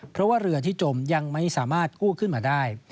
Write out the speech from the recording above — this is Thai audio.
เพราะว่าเรือที่จมยังไม่สามารถกู้ขึ้นมาได้